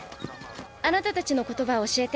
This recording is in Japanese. あなたたちの言葉を教えて。